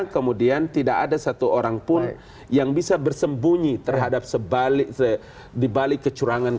kemudian tidak ada satu orang pun yang bisa bersembunyi terhadap dibalik kecurangan